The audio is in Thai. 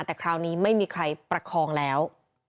แต่คราวนี้ไม่มีใครประคองแล้ว